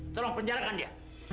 tolong penjarakan dia